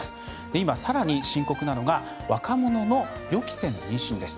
今、さらに深刻なのが若者の予期せぬ妊娠です。